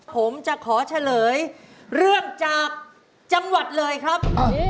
ผมจะขอเฉลยเรื่องจากจังหวัดเลยครับ